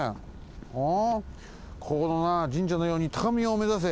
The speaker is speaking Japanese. ここのな神社のようにたかみをめざせ。